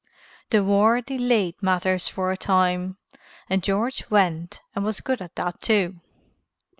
The war delayed matters for a time, and George went and was good at that too.